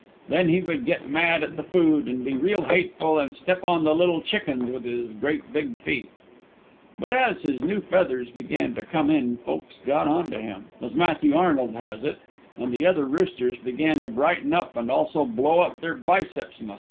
Then he would get mad at the food and be real hateful and step on the little chickens with his great big feet. But as his new feathers began to come in folks got on to him, as Matthew Arnold has it, and the other roosters began to brighten up and also blow up their biceps muscles.